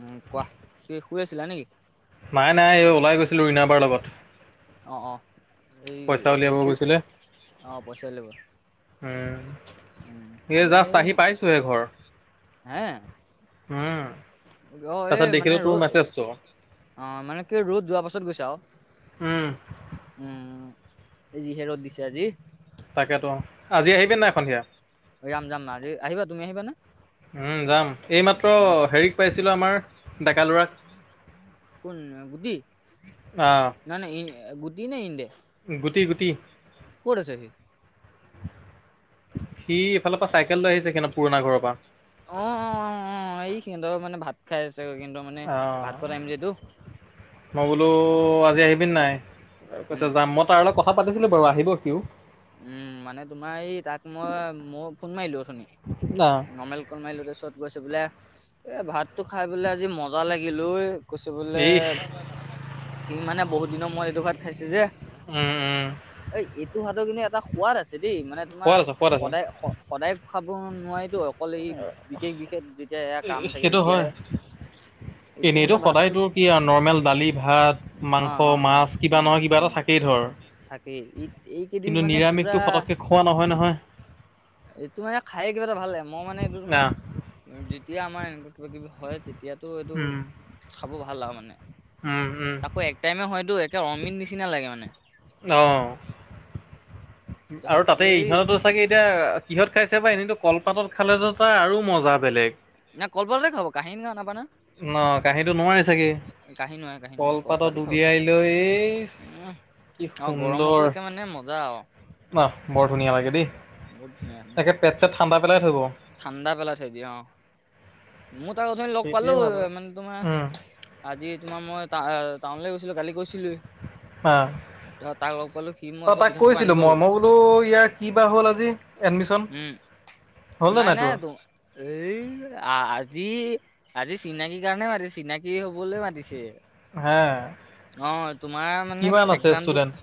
উম' কোৱা। কি শুই আছিলা নেকি? নাই নাই এই ওলাই গৈছিলোঁ ৰিণাবাৰ লগত। অ অ এই পইচা এইটো উলিয়াব খোজ গৈছিলে। অহ, পইচাই ল'বা। উম, উম' আমি জাষ্ট এই, আহি পাইছোঁহে ঘৰ। হা। উম'। অহ' তাৰপিছত এই মানে দেখিলোঁ তোৰ ৰ'দ মেছেজটো। অহ, মানে কি ৰ'দ যোৱাৰ পাছত গৈছা আৰু। উম' এই যিহে ৰ'দ দিছে আজি। তাকেতো আৰু। উম' যাম যাম আজি। আহিবা, তুমি আহিবা নে? উম' যাম। এইমাত্ৰ হেৰিক পাইছিলোঁ আমাৰ। ডেকা ল'ৰাক কোন গুদি? আহ, নাই নাই গুদি নে ইন্দেহ। গুটি গুটি কৰিছে সি সি ইফালৰ পৰা চাইকেল লৈ আহিছে স ন পুৰণা ঘৰৰ পৰা অ অ অ অ এই সিহঁতৰ মানে ভাত খাই আছে কিন্তু মানে ভাত অ', খোৱা টাইম যিহেতটো মই বোলো আজি আহিব পি নাই কৈছ উম যাম মই তাৰ লগত কথা পাতিছিলো বাৰু আহিব সিও উম মানে তোমাৰ এই তাক মই মই ফোন মাৰিলো শুনি আহ, নৰ্মেল কমাইলতে চত গৈছে বোলে। এই ভাতটো খাই পেলাই আজি মজা লাগিল এই, কৈছে বোলে। ইস সি মানে বহুত দিনৰ মোৰত এইটো ভাত খাইছে যে। উম, উম, এই এইটো ভাত কিন্তু এটা সোৱাদ আছে দেই, মানে তোমাৰ সোৱাদ আছে সোৱাদ আছে সদায় সদায় খাব নোৱাৰিতো। অকলে সি বিশেষ বিশেষ যেতিয়া সেয়া কাম থাকে তেতিয়াহে। এইটো মানে এনেইতটো সদায় ভাতটো তোৰ কি আৰু নৰ্মেল দালি, ভাত, অ মাংস, অ মাছ কিবা নহয় কিবা এটা থাকে। কি ধৰ থাকে ইঈ এই কিন্তু নিৰামিষটো পটককৈ খোৱা নহয় নহয় এইটো মানে খাই কিবা এটা ভাল লাগে মই মানে এইটো তোমাৰ আহ তেতিয়া আমাৰ এনেকুৱ কিব কিবি হয় তেতিয়া এতিয়াতো এইটো উম। খাব ভাল আৰু মানে উম উম আকৌ এক টাইমে হয়তো এয়া অমিন নিচিনা লাগে মানে অ আৰু তাৰপিছত তাতে এই ইহঁততো চাগে এতিয়া কিহত খাইছে বা এনেইতো কলপাতত খালেতো তাৰ আৰু মজা বেলেগ না কল বাৰ দে খাব কাহিনী নাবানে ন কাহীটো নোৱাৰি চাগে কাহি নোৱাৰে কাহি নোৱাৰে কলপাতে কলপাতত উলিয়াই লৈ অ গৰমতো একে মানে মজা আৰু ন বৰ ধুনীয়া লাগে দেই বহুত ধুনীয়া তাকে পেট চেট ঠাণ্ডা পেলাই থব ঠাণ্ডা পেলাইছে দ অ মোৰ অথনি লগ সেইটোৱে পালো ভাল আৰু মানে তোমাৰ উম আজি তোমাৰ মই তটা টাউনলৈ গৈছিলো কালি কৈছিলো হা মোক অ আকৌ তাক পিঠাখোপা কৈছিলো আনিব মই গ'ল মই বোলো ইয়াৰ কি বা হ'ল আজি এডমিশন উম হ'ল নে নাই নাই তোৰ তোম এই আজি আজি চিনাকি কাৰণে মাতিছে চিনাকি হবলৈ মাতিছে হা অ তোমাৰ মানে এক্জামটো ষ্টুডেণ্ট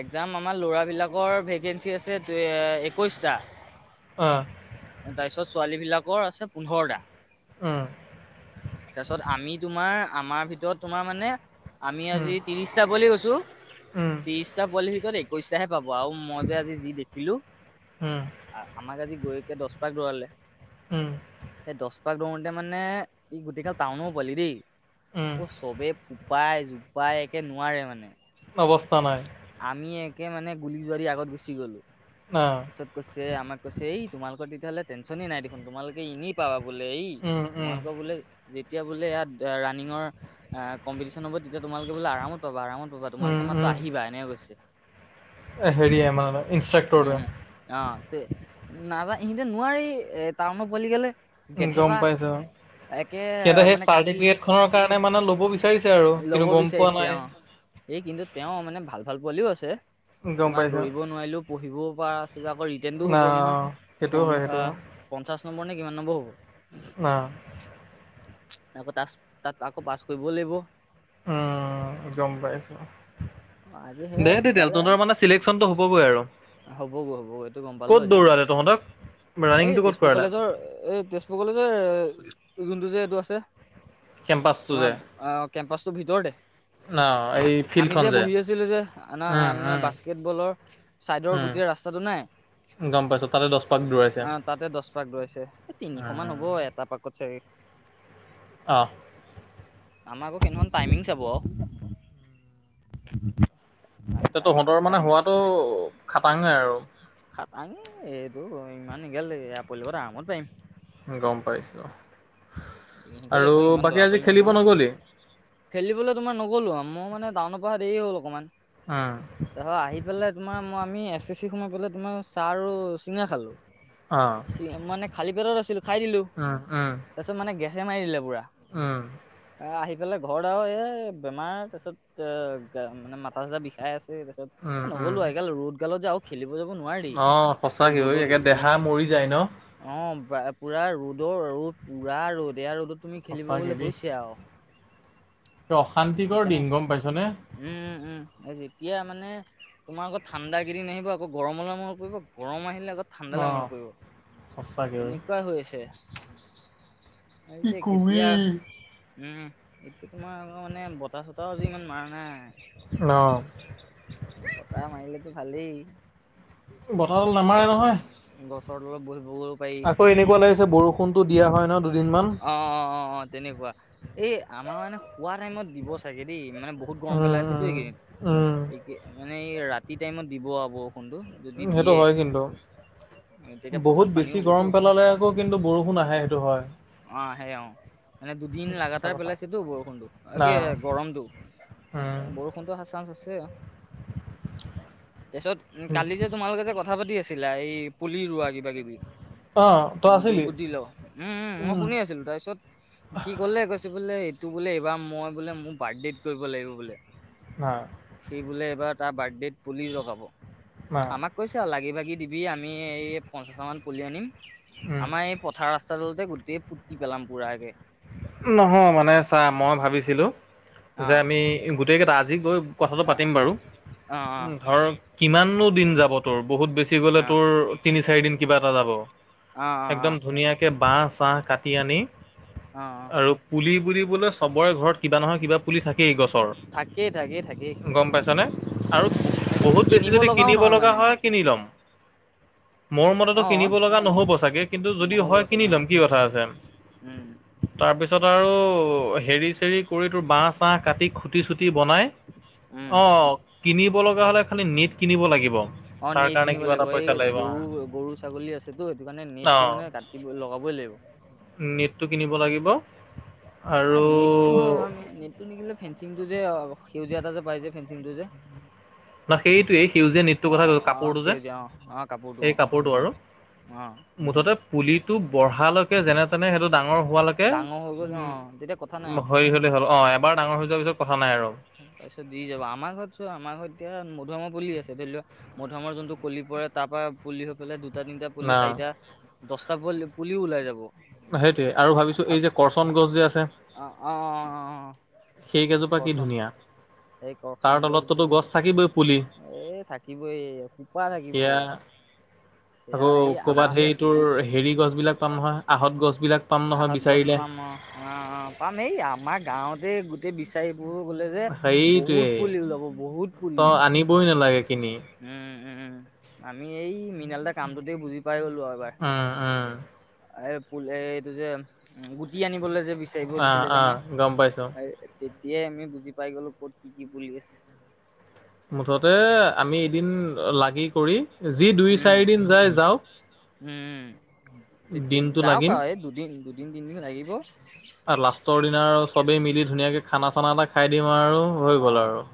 একজাম আমাৰ ল'ৰাবিলাকৰ ভেকেঞ্চি আছে একৈশটা অ তাৰপিছত ছোৱালীবিলাকৰ আছে পোন্ধৰটা উম তাৰছত আমি তোমাৰ আমাৰ ভিতৰত তোমাৰ মানে আমি উম আজি ত্ৰিছটা বুলি কৈছোঁ উম ত্ৰিশটা পোৱালিৰ ভিতৰত একৈশটাহে পাব আৰু মই যে আজি যি দেখিলো উম আমাক আজি দচ পাক ঘূৰালে উম পাক ঘূৰোতে মানে ই গোটেইকাল টাউনো পোৱালি দেই চ উম চবে জোপাই জোপাই একে নোৱাৰে মানে অৱস্থা নাই তে মানে গুলি জোৱাদি আগত গুচি গ'ল অ পিছত কৈছে আমাক কৈছে এই তোমালোকৰ তেতিয়াহ'লে টেনচনে নাই দেখোন তোমালোকে এনে পাবা বোলে এই উম উম তোমালোকৰ বোলে তেতিয়া বোলে ইয়াত ৰাণিঙৰ অ কম্পিটিশ্যন হ'ব তেতিয়া তোমালোকে বোলে আৰামত পাবা আৰামত পাবা তোমালোকে মাত্ৰ আহিবা এনেকে কৈছে। হেৰিই মানে উম ইনষ্ট্ৰাক্টৰটোৱে। এই সিহঁতে নোৱাৰেই টাউনৰ পোৱালীগালে। গম পাইছো সিহঁতে সেই মানে কান্দি চাৰ্টিফিকেটখনৰ কাৰণে মানে ল'ব বিচাৰে বিচাৰিছে আৰু ল'ব কিন্তু গম পোৱা বিচাৰিছে নাই। অ এই কিন্তু তেওঁ মানে ভাল ভাল পোৱালিও আছে। গম তোমাৰ পাইছো দৌৰিব নোৱাৰিলেও পঢ়িবও পৰা আছে যে আকৌ ৰিটেনটোও না হ'ব নহয়। সেইটোও হয় পন্ধা সেইটো পঞ্চাশ নম্বৰ নে কিমান নম্বৰ হ'ব। ন আকৌ তাচ তাত আকৌ পাছ কৰিবও লাগিব উম গম পাইছো আজি সেয়াই দে দে দেই শিকালে তহতৰ মানে চিলেকচনতটো হ'বগৈ আৰু হ'বগৈ হ'বগৈ এইটো গম পালো ক'ত আজি দৌৰালে তহঁতক এই ৰানিংটো ক'ত তেজপুৰ কৰালে কলেজৰ এই তেজপুৰ কলেজৰ যোনটো যে এইটো আছে কেম্পাচটো যে তোমাৰ এ কেম্পাচটো ভিতৰতে ন এই আমি ফিল্ডখন যে বহি আছিলো যে আনা উম মানে উম বাস্কেটবলৰ চাইডৰ উম গোটেই ৰাস্তাটো নাই। গম পাইছো তাতে দহ পাক দৌৰাইছে অ', তাতে দশ পাক লৈছে এই তিনিশ মান উম হ'ব এটা পাকত চাগে। অ'। আমাকো সেইখন টাইমিং চাব আৰু। এতা টাইমিং তহঁতৰ মানে টাইম হোৱাটো খাটাংয়ে আৰু। খাতাং এইটো ইমান এগাল আৰামত পাৰিম। গম পাইছো। ইহঁতে আৰু ইমান বাকী দৰা আজি পোৱালী নহয় খেলিব নহয়, নগ'লি খেলিবলৈ তোমাৰ নগ'লো আৰু মই মানে টাউনৰ পৰা অহা দেৰি হ'ল অকমান, উম তাৰ আহি পেলাই তোমাৰ মই আমি এছ চি চি সময় পলে তোমাৰ চাহ আৰু চিঙৰা খালো মানে খালী পেটত আছিলো। খাই দিলো অ', অ'। তাৰপিছত মানে গেছে মাৰি দিলে পূৰা এই আহি ইফালে ঘৰত আৰু এই বেমাৰে পিছত, মানে মাথা চাথা বিষাই আছে। ত পাছত উম উম নগ'লো আৰু এইগাল ৰ'দ গালত যে খেলিব যাব নোৱাৰি অ', এই সঁচাকৈ হয় ৰ'দত একে দেহা মৰি যায় ন'। প পুৰা ৰ'দৰ ৰ পুৰা ৰ'দ এয়া ৰ'দত তুমি খেলিব সঁচাকে গ'লে দেই হৈছে আৰু অশান্তিকৰ সেইকাৰণে দিন গম পাইছনে উম উম এইজি এতিয়া মানে তোমাৰ আকৌ ঠাণ্ডা কেইদিন আহিব আকৌ গৰমলৈ মনত পৰিব গৰম আহিলে অলপ ঠাণ্ডালৈ অ মনত পৰিব, সঁচাকে ঐ তেনেকুৱাই হৈ আছে। কি যে কবি কেতিয়া উম তোমাৰ আকৌ মানে বত বতাহ চতাহো আজি ইমান মৰা নাই ন বতাহ মাৰিলেতো খালি বতাহডাল নামাৰে নহয় গছৰ তলত বহি আকৌ এনেকুৱা লাগিছে বৰষুণতো দিয়া হয় ন'। দুদিনমান অ', অ', অ', অ', তেনেকুৱা এই আমাৰ মানে শুৱা টাইমত দিব চাগে দেই মানে বহুত গৰম উম পেলাই আছেতো উম এইকেইদিন উম এই মানে এই ৰাতি টাইমত দিব আও বৰষুণ। কোনটো, যদি সেইটো দিয়ে হয় কিন্তু তেতিয়া পথাৰত বহুত পানীও বেছি হ'বতো। গৰম পেলালে আকৌ কিন্তু বৰষুণ আহে সেইটো হ অ', সেই অ'। মানে দুদিন সঁচা লাগাতাৰ কথা পেলাইছেতো বৰষুণতটো অ', না কি গৰমটো। উম বৰষুণতো চান্স আছে। তাৰিছত উ কালি যে তোমালোকে যে কথা পাতি আছে চছিলাই এই পুলি ৰোৱা কিবা কিবি অ' তই আছিলি। গুটি ল উম, উম, মই শুনি আছিলো তাৰ পিছত সি ক'লে কৈছে বোলে। টো বোলে এইবাৰ মই বোলে মোৰ বাৰ্থডেত কৰিব লাগিব বোলে নাই সি বোলে এইবাৰ। টাৰ বাৰ্থডেত পুলি লগাব নাই আমাক কৈছে আৰু লাগি ভাগি। কি দিব আমি পঁচ্ছাশ হাজাৰ মান পুলি আনিম উম আমাৰ ইয়াৰ পথাৰ ৰাস্তা ৰাস্তাডলতে গোটেই পুতি পেলাম পুৰা একে নহয় মানে চা মই ভাবিছিলো। অ যে আমি গোটেই কেইটা আজি গৈ কথাটো অ পাতিম বাৰু অ ধৰ কিমান কো দিন যাব তোৰ বহুত বেছি গ'লে অ তোৰ তিনি চাৰি দিন কিবা এটা যাব অ অ অ একদম ধুনীয়াকে বাঁহ চাহ কাটি আনি অ আৰু পুলি বুলি চবৰে ঘৰত কিবা নহয় কিবা পুলি থাকেই গছৰ থাকেই থাকেই থাকেই গম পাইছনে আৰু বহুত বেছি যদি লগাও কিনিব নহয় লগা মানে হয় কিনি ল'ম মোৰ মতে অ কিনিব লগা নহ'ব চাগে, কিন্তু যদি নহ'ব হয় চাগে কিনি অ ল'ম কি কথা আছে। উম তাৰ পিছত আৰু হেৰি চেৰি কৰি তোৰ বাঁহ চাহ কাটি খুটি চুটি ি বনাই উম অ', কিনিব লগা হ'লে খালি নীট কিনিব লাগিব। অ', তাৰ নেট কাৰণে কিনিব কিবা এটা লাগিব এই পইচা গৰু গৰু ছাগলী আছেতো সেইটো কাৰণে নেটতটো অ'। মানে কাটি লগাব [unintelligible] নেটটো কিনিব লাগিব। আৰু নেট টো আমি নেট টো নিকিলে ফেঞ্চিং টো যে সেউজীয়া এটা যে পাই যে। ফেনচিংটো যে ন সেইটোৱেই সেউজীয়া নেতটোৰ অ কথা অ কৈছো অ কাপোৰটো যে সেউজীয়া অ অ এই অ কাপোৰটো আৰু। অ মুঠতে পুলিটো বঢ়ালৈকে যেনে তেনে সেইটোত ডাঙৰ হোৱালৈকে ডাঙৰ হৈ গ'ল অ তেতিয়া কথা নাই উম আৰু হেৰি হ'লে হ'ল। অ' এবাৰ ডাঙৰ হৈ যোৱাৰ পিছত কথা নাই আৰু তাৰ পিছত দি যাব আমাৰ ঘৰত চ আমাৰ ঘৰত এতিয়া মধুমৰ পুলি আছে ধৰি লওোৱা, মধুমৰ যোনটো কলি পৰে তাৰ পৰাৰা পুলি হৈ পেলাই দুটা তিনিটা পুলি না চাৰিটা দহটা পু পুলিও ওলাই যাব। সেইটোৱে আৰু ভাবিছো এই যে আকৌ কৰচন গছ যে আছে। অ অ অ সেইকেজোপা কি কৰচোন ধুনীয়া। এই তাৰ কৰচন তলততো গছ গছকেইজোপা থাকিবই পুলি এ থাকিব এই সোপা থাকিব সেয়া [unintelligible] আকৌ এই কৰ'বাত আমাৰ সেই তোৰ হেৰি গছ বিলাক পাম নহয় আহত গছ বিলাক আহত গছ পাম অ' অ' পাম এই আমাৰ গাওঁতে গোটেই বিচাৰি। গ'লে যে বহুত সেইটোৱে পুলি ওলাব বহুত পুলি। তিনি উম উম আমি এই মৃণল দা কামটোতেই বুজি পাই গলো এবাৰ। উম, উম, এই পুল এই এইটো যে গুটি আনিবলৈ যে বিচাৰিব আহ, দিছিলে যে আহ, আমাক গম পাইছোঁ। এই তেতিয়া। এতিয় আমি বুজি পাই গলো ক'ত কি কি পুলি আছে। মুঠতে আমি এদিন লাগি কৰি। যি দুই উম চাৰিদিন যায় যাওঁক। উম তেতিয়া যাওঁক এই দুদিন দুদিন তিনদিন লাগিব। চবে মিলি ধুনীয়াকে খানা চানা এটা খাই দিম আৰু হৈ গ'ল আৰু অ'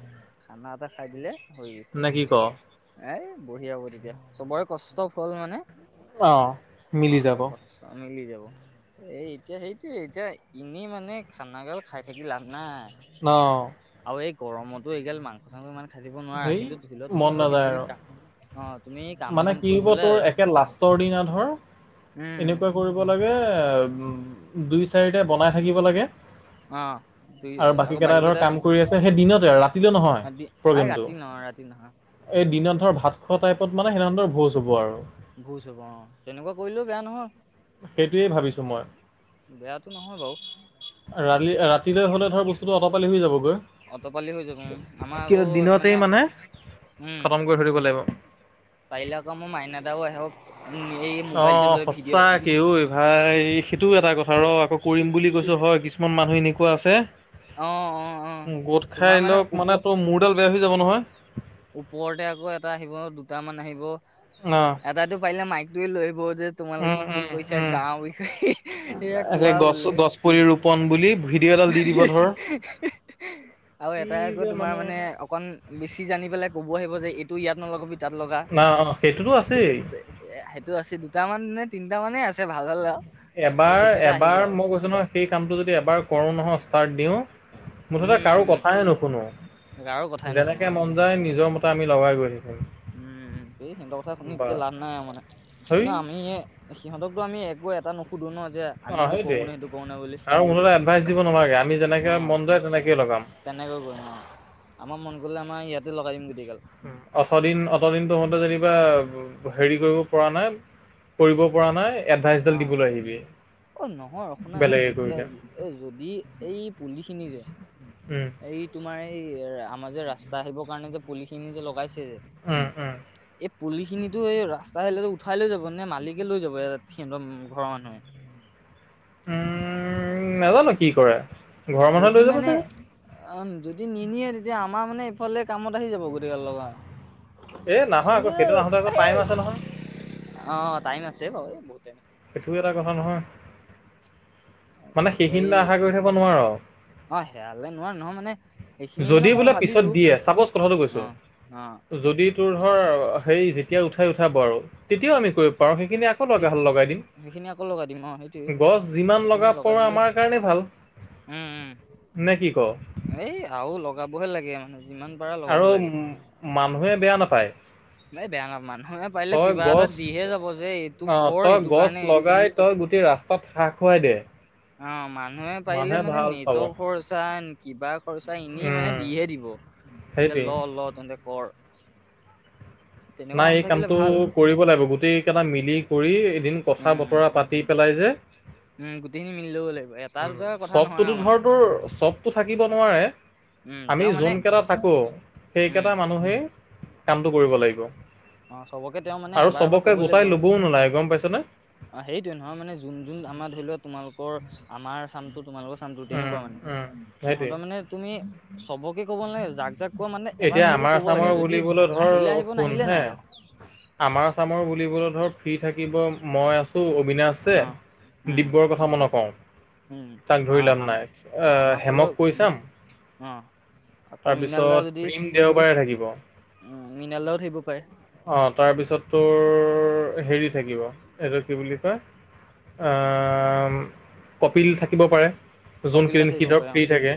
খানা এটা খাই দিলে হৈ গৈছে নে কি ক? এ বঢ়িয়া হ'ব, তেতিয়া চবৰে কষ্ট ফল মানে অ', অ' মিলি [unintelligible] যাব যাব এ এতিয়া হেইটোৱে এতিয়া এনেই মানে খানাগাল খাই থাকি লাভ নাই। অহ। আও এই গৰমতো এই গাল মাংস চাংস ইমান খাই থাকিব নোৱাৰা, হেই কিন্তু ধৰি লোওৱা তুমি মন এনেুৱা কিবা নাযায় কিবি আৰু কা অ তুমি কাম মানে চাম কি কৰি হ'ব পেলাই তোৰ একে লাষ্টৰ দিনা ধৰ উম এনেকুৱা কৰিব লৈ এয়ে দুই চাৰিটা বনাই থাকিব লাগে। অ দুই আৰু বাকী আকৌ কেইটা ধৰ কেইডাল কাম কৰি আছে। সেই দিনতে আৰু ৰাতিলৈ নহয়। দি আ প্ৰগ্ৰেমটো ৰাতি নহয় ৰাতি নহয় এই দিনত ধৰ ভাত খোৱা টাইপত মানে সেই দিনা ধৰ ভোজ হ'ব আৰু ভোজ হ'ব অ তেনেকুৱা কৰিলেও বেয়া নহয়। সেইটোৱেই ভাবিছোঁ মই বেয়াটো নহয় বাৰু। ৰালি ৰাতিলৈ হলে ধৰ বস্তুটো অটপালি হৈ যাবগৈ অটপালি হৈ যাব আমাৰ কিন্তু আকৌ দিনতেই মানে উম খতম কৰি থৈ দিব লাগিব। পাৰিলে আকৌ মোৰ মাইনা ডাও আহক। এই মোবাইলটো অ' লৈ সঁচা কে ভিডিঅ' অ ভাই সেইটো এটা কথা ৰ আকৌ সি কৰিম বুলি সি কৈছ হয় কিছুমান মানুহ এনেকুৱা অ অ অ আছে গোট তোমাৰ খাই লওঁক ওপ মানে তোৰ মোৰডাল বেয়া হৈ যাব নহয়। ওপৰতে আকৌ এটা আহিব দুটামান আহিব অঁ এটাই টো পাৰিলে মাইক টোৱে লৈ আহিব। যে উম তোমালোকে কি কি উম কৈছা উম গাওঁৰ বিষয়ে সেয়া একে কোৱা গছ বোলে। [inaudible] গছ পুলি ৰোপন বুলি ভিডিঅ' এডাল দি হি দিব হি ধৰ হি হি আৰু কি এটাই আকৌ যে তোমাৰ মানে অকন বেছি জানি পেলাই। ক'ব আহিব যে এইটো ইয়াত নলগাবি। তাত লগা না অঁ সেইটোতো এইটোত আছেই সেইটো আছে দুটামান নে তিনিটা মানে আছে ভাল ভাল আও এবাৰ এবাৰ মই কৈছো নহয় সেই কামটো যদি এবাৰ কৰো নহয় ষ্টাৰ্ট দিওঁ মুঠতে উম কাৰো উম কথাই নুশুনো কাৰো কথাই নুশুনো যেনেকে আৰু এইটো মন হয় যায় নিজৰ মতে আমি লগাই থাকিম উম সেই সিহঁতৰ কথা শুনি বা এতিয়া লাভ নাই মানে সেই কিন্তু আমি সিহঁতকতটো আমি একো এটা এটা ন সুধো ন [inaudible] অ এইটো সেইটোৱে কৰো নে সেইটো কৰো নে বুলি আৰু মুঠতে এডভাইচ দিব নালাগে আমি অ যেনেকে মন যায় তেনেকে লগাম। তেনেকৈ কৰিম ন আমাৰ মন গলে কৰিলে আমাৰ ইয়াতে লগাই দিম গোটইগাল উ অঠ দিন অথ দিনটো মতে যেনিবা হেৰি কৰিব পৰা নাই কৰিব পৰা নাই এডভাইচডাল অ', দিবলৈ আহিবি অ নহয় শুনা নাই বেলেগে যেতিয়া কৰিলে যদি এই পুলি খিনি যে উম এই তোমাৰ এই আমাৰ যে ৰাস্তা আহিবৰ কাৰণে যে পুলি খিনি যে লগ লগাইছে যে উম উম এই পুলি খিনি টো ৰাস্তালৈ উঠোৱাই লৈ যাব নে মালিকে লৈ যাব সিহঁৰ ঘৰৰ মানুহে। উম নাজানো কি কৰা। যদি মানে অ যদি নিনিয়ে তেতিয়া আমাৰ মানে চবফালে কামত আহি যাব গোটেই গাল লগা এ নহয় আকৌ ইন্দু সেইটো আহোতে আকৌ টাইম হেই আছে নহয়। অ', টাইম আছে বাৰু বহুতে সেইটোও এটা কথা নহয়। মানে এই, সেইখিনিলে আশা কৰি থাকিব নোৱাৰ অ হেয়ালে নোৱাৱ নহয় মানে সেইখিনি মানে যদি মই বোলে পিছত ভাবিছো দিয়ে চাপ'জ কথাটো কৈছোঁ। অ', অ'। যদি দি তোৰ ধৰ হেই যেতিয়া উঠাই উঠাব আৰু তেতিয়াও আমি কৰিব পাৰোঁ, সেইখিনি আকৌ তেতিয়া দ'কাহ'লে লগাই দিম। সেইখিনি আকৌ লগাই দিম অ সেইটোৱে গছ যিমান সেইখিনি লগাই লগাৱ দিলো আমাৰ কাৰণে ভাল। উম, উম। নে কি কওঁ এই আউ লগা বহে লাগে যিমান পাৰা লগাব আৰু লাগে মানুহে বেয়া নাপায়। এই বেয়া না মানুহ। তই গছ। এইটো অ, কৰ তই এইটো গছ কাৰণে লগাই তই গোটেই ৰাস্তা তাত হাঁহ খুৱাই দে। অ, মানুহে পাৰিলে মানুহে মানে ভাল পাব নিজৰ খৰচা, কিবা খৰচা এনেই মানে উম দিহে দিব। যে সেইটোৱেই ল ল তহতে কৰ। তেনেকুৱা নাই মানুহ এই থাকিলে কামটো ভাল কৰিব লাগিব। গোটেই কেইটা মিলি কৰি এদিন উম কথা-বতৰা পাতি পেলাই যে উম গোটেইখিনি মিলি ল'ব লাগিব এটা উম, দুটাৰ কথা নহয় চবটোতো আৰু মানে ধৰ তোৰ চবতো থাকিব নোৱাৰে। উম আমি তেওঁ মানে যোন কেইটা থাকো, উম সেইকেইটা মানুহেই কামটো কৰিব লাগিব। অ, চবকে তেওঁ মানে আৰু এবাৰ এবাৰ চবকে ক'ব লাগিব। গোটাই ল'বও নোলায় গম পাইছনে? অ, সেইটোৱে নহয় মানে, যোন যোন আমাৰ ধৰি লোৱা তোমালোকৰ আমাৰ চামটো তোমালোকৰ চামতো উম, তেনেকুৱা মানে। উম, সেইটোৱে। সিহঁতৰ মানে তুমি চবকে ক'ব নালাগে যাক যাক কোৱা মানে এবাৰ এতিয়া হ'লেও আমাৰ ক'ব লাগে, চামৰ যদি বুলিবলৈ ধৰ আহিলে আহিব শুন নাহিলে হে নাই আও। আমাৰ চামৰ বুলিবলৈ ধৰ ফ্ৰী থাকিব মই আছোঁ। টো অবিনাশ আছে, অ উম দিব্যৰ কথা মই নকওঁ। উম তাক আ ধৰি লাভ আম নাই। আ, আমাৰ ফালৰ হেমক কৈ চাম। অ, আকৌ মিনালদা তাৰপিছত যদি প্ৰীম দেওবাৰে থাকিব। অহ। মৃণালদাও থাকিব পাৰে। অ, তাৰপিছত তোৰ হেৰি থাকিব, এইটো কি বুলি কয় আম, কপিল থাকিব পাৰে। যোন কপিলদা কিদিন সি থাকিব ধৰ পাৰে অ ফ্ৰী থাকে